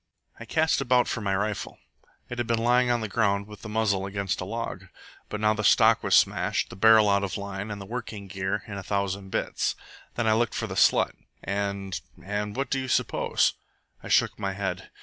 "I cast about for my rifle. It had been lying on the ground with the muzzle against a log; but now the stock was smashed, the barrel out of line, and the working gear in a thousand bits. Then I looked for the slut, and and what do you suppose?" I shook my head.